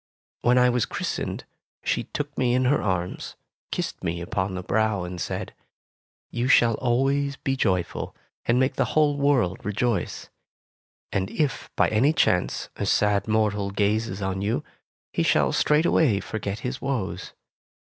When I was christened, she took me in her arms, kissed me upon the brow, and said, "You shall always be joyful, and make the whole world rejoice. And if, by any chance, a sad mortal gazes on you, he shall straightway forget his woes.